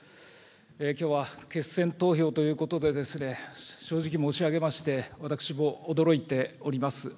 きょうは決選投票ということでですね、正直申し上げまして、私も驚いております。